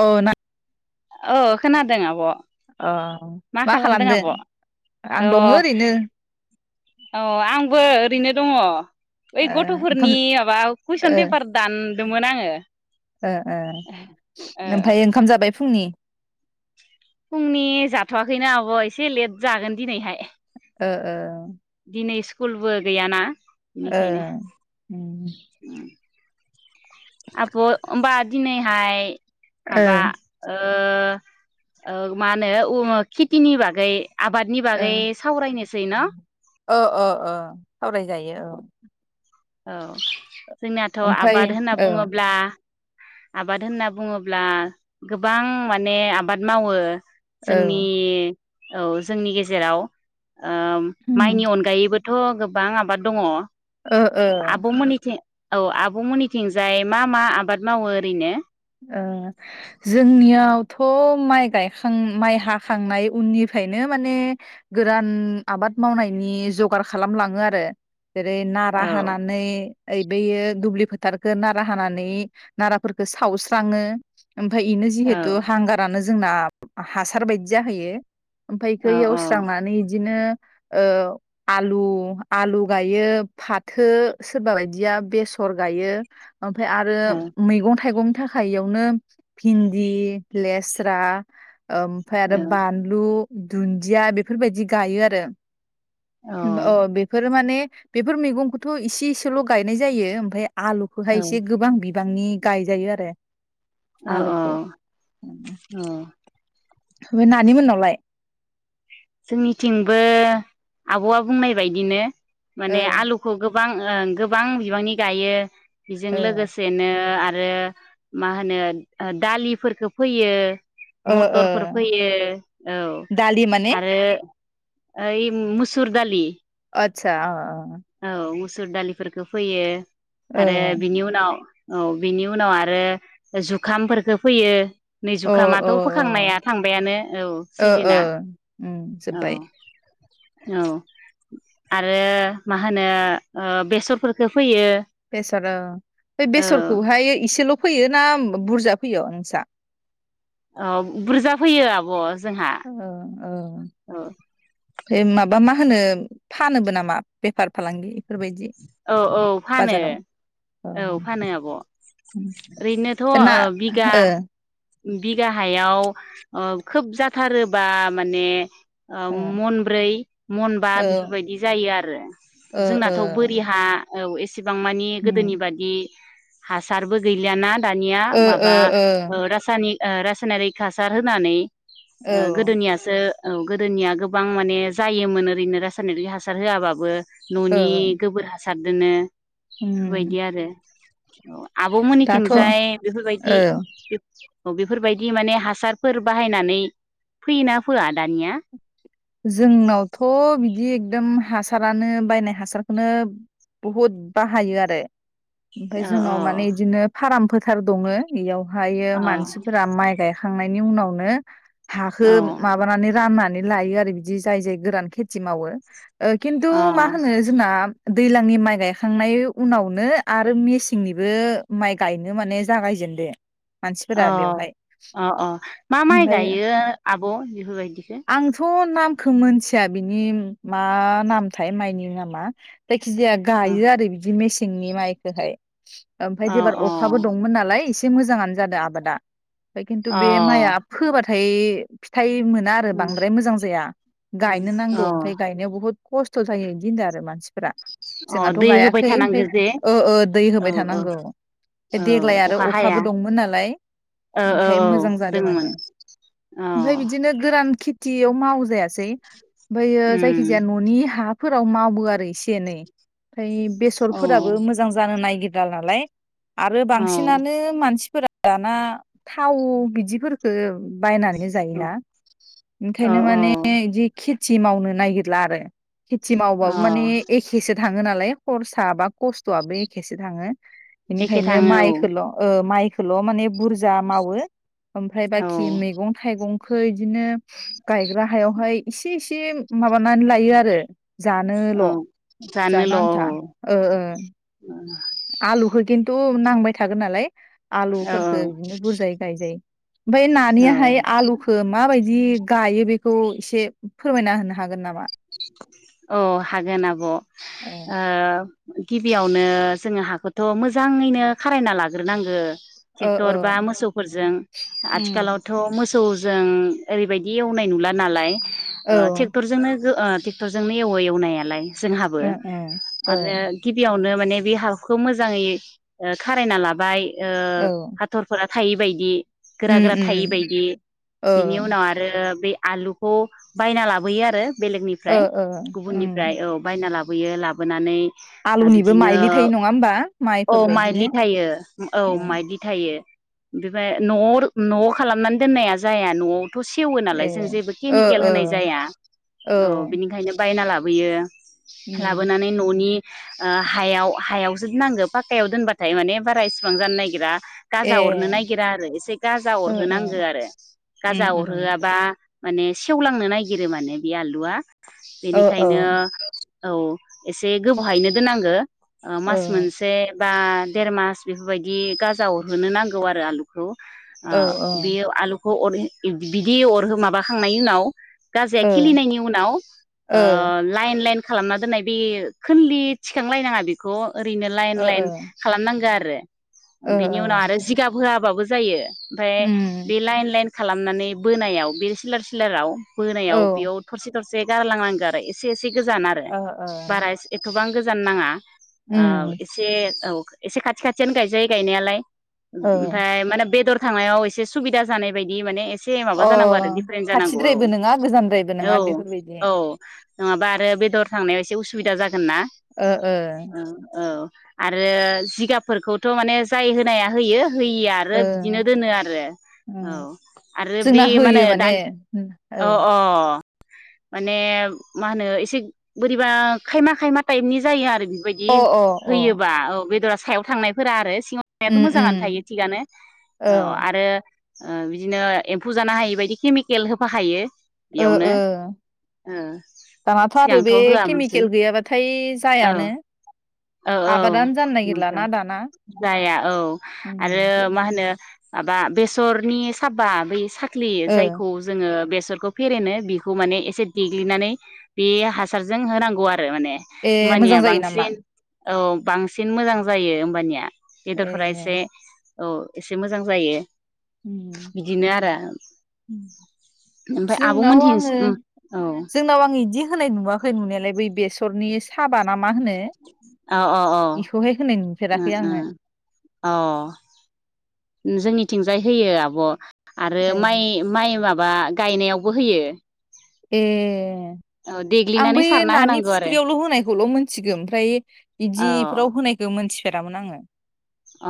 औ ना औ खोनादों आब' अ मा खालामदों खालामदो आब' आं दङो ओरैनो औ आंबो ओरैनो दङ ओइ ओ ओंखाम गथ'फोरनि माबा ओ कुइसन पेपार दान दोंमोन आङो ओ ओ ओ ओमफाय ओंखाम जाबाय फुंनि फुंनि जाथ'वाखैनो आब' एसे लेट जागोन दिनैहाय ओ ओ दिनै स्कुलबो गैयाना बेनिखायनो ओ आब‌' ओमबा दिनैहाय ओ माबा ओ ओ मा होनो खेथिनि बागै आबादनि बागै ओ सावरायनोसै न ओ ओ ओ सावरायजायो औ औ जोंनाथ' ओमफ्राय आबाद होनना औ बुङोब्ला आबाद होनना बुङोब्ला गोबां माने आबाद मावो औ जोंनि औ जोंनि गेजेराव ओ माइनि अनगायैबो थ' गोबां आबाद दङ ओ ओ आब'मोननिथिं औ आबमोननिथिंजाय मा मा आबाद मावो ओरैनो ओ जोंनियावथ' माइ गायखां माइ हाखांनाय उननिफ्रायनो माने गोरान आबाद मावनायनि जगार खालामलाङो आरो जेरै नारा औ हानानै ओ बेयो दुब्लि फोथारखौ नारा हानानै नाराफोरखौ सावस्रि राङो ओमफाय बेनो औ जिहेतु हांगारानो जोंना हासार बायदि जाहैयो ओमफाय औ एखौ‌ एवस्रांनानै इदिनो ओ आलु आलु गायो फाथो सोरबा बादिया बेसर गायो। ओमफ्राय आरो औ मैगं थाइगं यावनो भिन्दि लेस्रा ओमफ्राय आरो औ बानलु दुन्दिया बेफोरबायदि गायो आरो औ अ बेफोरो माने बेफोर मैगंखौथ' इसे इसेल' गायनाय जायो। ओमफाय आलुखौहाय एसे औ गोबां बिदि बिबांनि गायजायो आरो औ आलुखौ औ औ बे नानि मोननावलाय? जोंनिथिंबो आब'आ बुंनाय बायदिनो। औ माने आलुखौ गो बां ओ गोबां बिबांनि गायो। बेजों ओ लोगोसेनो आरो रो मा होनो दालिफोरखो फोयो। ओ मटरफोर ओ फोयो। दालि औ माने आरो ओ इ मसुर दालि आतसा ओ ओ औ मुसुर दालिफोरखौ फैयो। अ आरो बिनि उनाव औ बिनि उनाव आरो जुखामफोरफोरखो फोयो। नै औ जुखामाथ' औ फोखांनाया औ थांबायानो औ ओ ओ सिजोना उम औ जोब्बाय औ आरो मा होनो ओ बेसरफोरखौ फोयो। बेसर ओ बे बेसरखौहाय एसेल' फोयो ना बुरजा फोयो नोंसा? अ बुरजा फोयो आब' जोंहा औ औ औ बे माबा मा होनो फानोबो नामा बेफार फालांगि बेफोरबायदि औ औ फानो बाजाराव? औ फानो आब' ओरैनोथ' ओ बे ना बिगा ओ बिगा हायाव खोब जाथारोबा माने ओ मनब्रै मनबा बेफोरबायदि जायो आरो औ ओ जोंनाथ' ओ बोरि हा औ एस सेबां मानि गोदोनि उम बादि हासारबो गैलियाना दानिया ओ ओ माबा ओ रासायनिक ओ रासायनारिक हासार होनानै औ ओ गोदोनियासो औ गोदोनिया गोबां माने जायोमोन ओरैनो रासायनारि हासार होआबाबो ओ न'नि गोबोर हा सारदोनो उम बेफोरबायदि आरो औ दाथ' औ आब'मोननिथिंजाय बेफोरबायदि औ बेफोरबायदि बिदि माने हासारफोर बाहायनानै फैयोना फोआ दानिया जोंनावथ' बिदि एकदम हासारानो बायनाय हासारखौनो बहुद बाहायो आरो ओमफ्राय औ जोंनाव औ माने बिदिनो फारामफोर सार दङ बेयाव हायो औ मानसिफोरा माइ गाय थांनायनि उनावनो हाखौ औ माबानानै रानना नानै‌ लायो आरो बिदि जाय जाय गोरान खेथि मावो खिन्थु मा औ होनो जोंना दैलांनि माइ गायखांनायनि उनावनो आरो मेसेंनिबो माइ गायनो माने जागायजेननो अ अ अ मा माइ ओमफाय गायो आब' बेफोरबायदिखौ आंथ' नामखौ मोनथिया बिनि मा नामथाय माइनि नामा जायखिजाया अ गायो आरो बिदि मेसेंनि माइखौहाय ओमफ्राय एबार अ अखाबो दंमोन नालाय मोजां आरो जादों आबादा फ्राय खिन्थु अ बे माइआ फोबा थाय फिथाइ मोन आरो बांद्राय मोजां जाया गायनो नांगौ अ ओमफ्राय गायनायाव बुहुत खस्थ' जायो इदि होनदों आरो मानसि फोरा अ जोंहाथ' दै होबाय गायाखै ओमफ्राय थानांगो जे ओ ओ दै औ होबाय औ थानांगौ औ देग्लाय आरो अखा हाया अखाबो दंमोन नालाय औ औ ओमफ्राय औ मोजां जादों दोङोमोन माने औ ओमफाय बिदिनो गोरान खि बेयाव मावजायासेै ओमफायो उम जायखिजाया न'नि हाफोर फ्राव मावो आरो एसे एनै ओमफाय औ बेसरफोराबो मोजां जानो नागिर दाला लाय आरो औ बांसिनानो मानसिफोरा दाना थाव बिदिफोरखो बायनानै जायोना औ बेनो माने इदि खि खेथि मावनो नागिरला आरो खेथि मावबाबो माने औ एखेसो थाङो नालाय खरसा बा खस्थ'आबो एखेसो थाङो। एखे बेनिखायनो थाङो माइखौल' ओ माइ खोल' माने बुरज जा मावो ओमफ्राय औ बाखि मैगं थाइगं खो इदिनो गायग्रा हायावहाय इसे इसे माबानानै लायो आरो। जानोल' औ जानो जानोल' आन्था औ ओ ओ। आलुखौ खिन्थु नांबाय थागोन नालाय औ आलुफोरखो बिदिनो बुरजायै गायजायो। ओमफाय औ नानियाहाय आलुखो माबाय जि गायो बिखौ एसे फोरमायना होनो हागोन नामा? औ हागोन आब' ओ गिबियावनो जोङो हाखौथ' मोजाङैनो खारायना लाग्रोनांगो। ओ ट्रेक्टर बा औ मोसौफोरजों उम आथिखालावथ' मोस सौ जों ओरैबायदि एवनाय नुला नालाय ओ टेक्टरजोंनो जो ट्रेक्ट'रजोंनो एवो एवनायालाय जोंहाबो ओ ओ आरो गिबियावनो माने बे हाखौ मोजाङै खारायना लाबाय ओ औ हाथरफोरा थायै बायदि गोरा उम गोरा थायि उम बायदि बिनि ओ उनाव आरो बे आलुखौ बायना लाबोयो आरो ओ बेलेगनिफ्राय ओ उम गुबुननिफ्राय औ बायना लाब लाबोयो लाबोनानै आलुनिबो बिदिनो माइलि थायो नङा होमबा औ माइज्ल माइफोरबायदिनो थायो औ ओं माइज्लि थायो बेफ्राय न'आव न'आव खालामनानै दोननाया जाया न'आव थ' सेवो ए नालाय जों जेबो ओ केमिकेल ओ होनाय जाया औ बिनिखायनो बायना लाबोयो उम लाबोनानै न'नि ओ हायाव हायावसो नांगो पाखायाव दोनबाथाय माने बारा इसिबां जानो नागिरा ए गाजा अरनो नागिरा आरो एसे गाजा ओ ओ अरहोनांगो आरो उम गाजा उम अरहोआबा माने सेवलांनो नायगिरो माने बे आलुवा ओ औ बेनिखायनो औ एसे गोबावहायैनो दोननांगो ओ औ मास मोनसे बा देर मास बेफोरबायदि गाजा अरहोनो नांगौ आरो आलुखौ आ औ ओ ओ बियो आलु अर ओ बिदि अर हो माबाखांनायनि उनाव ओ खिलिनायनि उनाव ओ लाइन लाइन खालामना दोननाय बे खोनलि थिखांलायनाङा बेखौ ओरैनो लाइन ओ लाइन खालामनांगो आ रोे बिनि ओ उनाव आरो जिगाब होआ बाबो जायो आमफाय उम बे लाइन लाइनख खालामनानै बोनायाव बे सिलार सिलाराव औ बोनायाव ओ थरसे थरसे गारलांनांगो आरो एसे एसे से गोजान आरो ओ बारा एसे-एथबां गो जानो नाङा औ उम एसे औ एसे खाथि खाथियानो गायजायो गायनायालाय ओ ओम-ओमफाय माने बेदर थांनायाव एसे सुबिदा जानाय बायदि माने एस अ खाथिद्रायबो नोङा गोजानद्राय औ औ नङाबा आरो बेदर थांनायाव एसे उसुबिदा जागोन ना। ओ ओ ओं औ आरो जिगाबफोरखौथ' माने जाय होनाया होयो। होयिया आरो बिदिनो ओ दोनो आरो औ उम आरो बे जोंना मानो होयो माने दन ओ अ अ माने मा होनो एसे बोरैबा खायमा खायमा टाइपनि जायो आरो। बेबायदि अ अ होयोबा औ बेदरा सायाव थांनायफोरा आरो। सिङाव थांनायाथ' उम मोजाङानो थायो उम थिगानो औ ओ आरो बिदिनो एम्फौ जानो हायिबायदि केमिकेल होफाखायो। ओ बेयावनो ओ ओ दानाथ' आरो सिगांथ' बे होआमोनसुन केमिकेल गैयाबाथाय औ जायानो औ औ आबादानो जानो औथ' नागिरलाना दाना जाया औ आरो उम मा होनो। माबा बेसरनि साबा बै साख ख्लि ओ जायखौ जोङो बेस सोरखौ फेरेनो बेखौ माने एसे देग्लिनानै बे हासारजों होनांगौ आरो। रो माने ए होनबानिया मोजां जायो नामा बांसिन औ बांसिन मोजां जायो होमबानिया। ए बेदरफोरा एसे औ एसे मोजां जायो। उम बिदिनो आरो ओमफाय नाव आङो जोंनाव आङो इदि होनाय नुखै नुनायाला मोनलाय बै बेसरनि साबा ना मा होनो औ औ औ इखौहाय होनाय ओ नुफेराखै आङो ओ अ जोंनिथिं जाय होयो आब' आरो ए माइ माइ मा बा गायनायावबो होयो। ए औ आं देग्लिनानै बै सारना नानि होनांगौ आरो फुख्रियावल' होनायखौल' मोनथिगो ओमफ्राय इदिफोराव औ होनायखौ मोनथि फेरामोन आङो।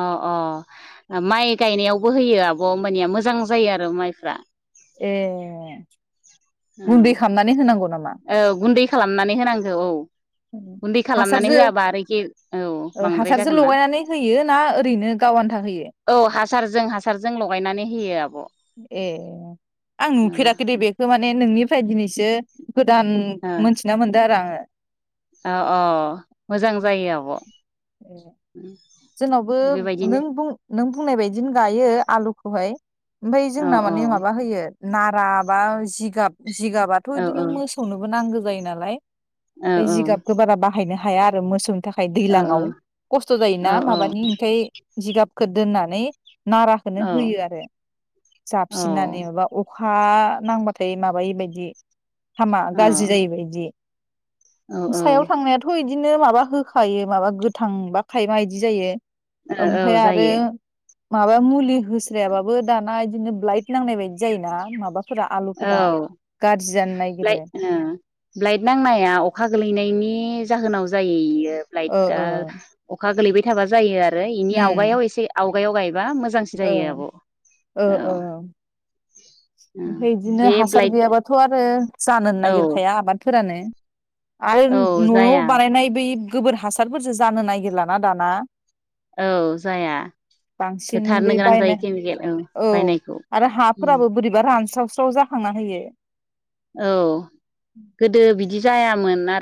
अ अ ओ माइ गायनायावबो होयो आब' होमबानिया मोजां जायो आरो माइफ्रा। ए ओव गुन्दै खालामनानै होनांगौ नामा औ गुन्दै खालामनानै होनांगौ औ गुन्दै खालामनानै हासारजो होआबा आरो एखे औ ओ बांद्राय हासारजो जागोन ना लगायनानै होयो ना ओरैनो गाव आन्था होयो औ हासारजों हासारजों लगायनानै होयो आब' औ ए आं नुफेराखै दे बेखो माने नोंनि फ्राय दिनैसो गोदान मोनथिना मोनदो आरो आङो। अ अ मोजां जायो आब'। ए जोंनावबो बेबायदिनो नों बुं नों बुंनाय बायदिनो गायो। आलुखौहाय ओमफाय औ जोंना औ माने माबा होयो नारा बा जिगाब जिगाबाथ' औ इदिनो औ मोसौनोबो नांगो जायो नालाय औ जिगाबखौ बारा बाहायनो हाया आरो मोसौ थाखाय औ दैलांआव खस्थ' जायो औ ना माबानि ओमफाय जिगाब खो दोननानै नाराखोनो होयो आरो जाबसिननानै माबा अ खा नांबाथाय माबायि बायदि। हामा गाज्रि औ जायि बायदि। औ सायाव थांनायाथ' इद दिनो माबा होखायो माबा गोथां बा थाइमा इदि जायो औ ओमफाय औ आरो जायो माबा मुलि होस्रायाबाबो दाना दिनो ब्लाइट नांनाय बायदि जायो ना माबा औ नागिरो ब्लाइट ओ ब्लाइट नांनाया अखा गोलैनायनि जाहोनाव जायो इयो। ओ ब्लाइदा अखा गोलैबाय थाबा जायो आ रो इनि उम आवगायाव एसे आव गायाव गाय बा मोजांसिन ओ जायो आब' औ। ओमफाय इदिनो बे हासार ब्लाइट गैयाबाथ' आरो ओ जानोन औ नागिरखाया आबादफोरानो। आरो औ न'आव जाया बानायनाय बै गोबोर हासारफोरजो जानो नागिरलाना दाना। औ जाया बांसिन बै होथारनो गोनां बायनाय जायो केमिकेल औ बायनायखौ उम। बा रानस्रावस्राव जाखांना होयो। औ गोदो बिदि जायामोन आ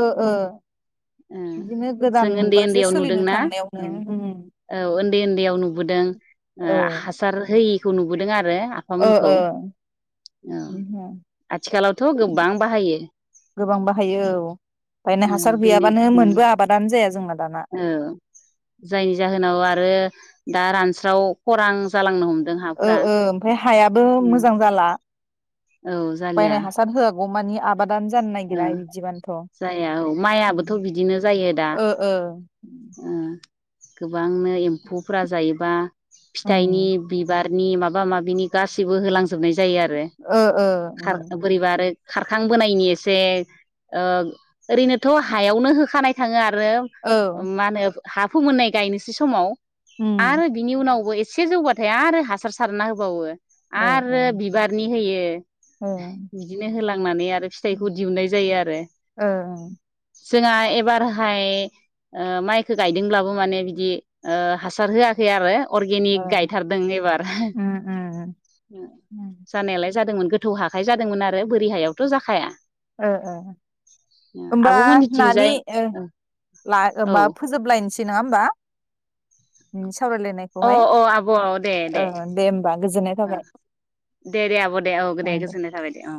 ओ ओ ओ बिदिनो जों गोदान ओन्दै मुगाजों ओन्दैयाव सोलिनो नुदोंनाा औ थांनायावनो उम औ ओन्दै ओन्दैयाव नुबोदों ओ हासार होयि खौ नुबोदों आरो। ओ आफामोनखौ ओ औ आथिखालावथ' [unintelligible] गोबां बाहायो गोबां बाहायो औ बायना ओ हासार गैया बानो मोनबो आबादान जाया जोंना दाना औ जायनि जाहोनाव आरो दा रानस्राव खरां जालांनो हम ओ ओ ओमफ्राय हायाबो मोजां जाला औ जालिया बायनाय हासार होआगौ मानि आबाद ओ जाया औ माइआबोथ' बिदिनो जायो दा ओ ओ ओ गोबांनो एम्फौफ्रा जायोबा उम फिथाइनि बिबार नि माबा माबिनि गासिबो होलांजोबनाय जा जायो आरो ओ ओ खार उम बोरैबा आरो खारखांबोनायनि जे ओ ओरैनोथ' हायावनो होखानाय थाङो आ रो औ मानो हा फोमोननाय गायनोसै समाव उम आरो बिनि उनावबो एसे से जौबाथाय आरो हासार सारना होबावो। ओ आरो बिबारनि होयो ओ बिदिनो होला थांनानै आरो फिथाइखौ दिहुननाय जायो आरो ओ ओं जोंहा एबारहाय ओ माइखौ गायदोंब्लाबो माने बिदि ओ हासार होआखै आरो। अर्गेनिक ओ गायथारदों एबार उम उम उम जानायालाय जादोंमोन। गोथौ हाखाइ जादोंमोन आरो बोरि हायावथ' जाखाया। होमबा आब'मोननिथिंजाय नानि ला औ होमबा फोजोबलायनोसै नङा होमबा? उम अ सावरायलायनायखौहाय अ आब' दे दे ओ होमबा गोजोननाय थाबाय दे दे आब' दे औ दे गोजोननाय थाबाय दे औ